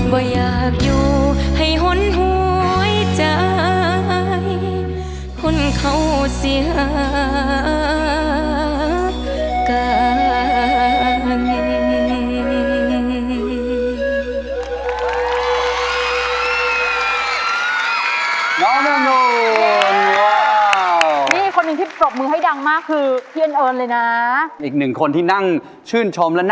บ่อยอยากอยู่ให้หนหวยใจคนเขาเสียกัน